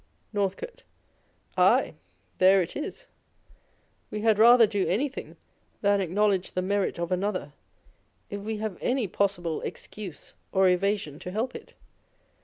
Northcote. Aye, there it is. We had rather do any thing than acknowledge the merit of another, if we have any possible excuse or evasion to help it.